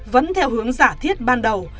vẫn theo hướng giả thiết ban đầu